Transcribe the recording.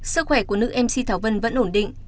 sức khỏe của nữ mc thảo vân vẫn ổn định